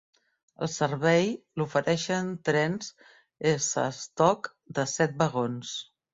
El servei l'ofereixen trens S Stock de set vagons.